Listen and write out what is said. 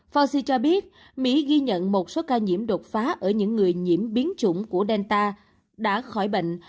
forci cho biết mỹ ghi nhận một số ca nhiễm đột phá ở những người nhiễm biến chủng của delta đã khỏi bệnh